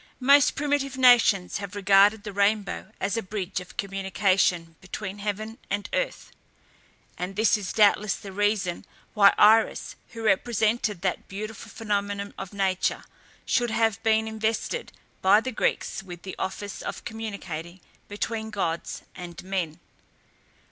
Most primitive nations have regarded the rainbow as a bridge of communication between heaven and earth, and this is doubtless the reason why Iris, who represented that beautiful phenomenon of nature, should have been invested by the Greeks with the office of communicating between gods and men.